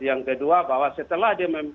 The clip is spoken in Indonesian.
yang kedua bahwa setelah dia